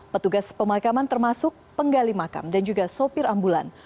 petugas pemakaman termasuk penggali makam dan juga sopir ambulan